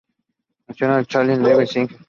National Charity League Inc.